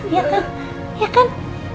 iya kan iya kan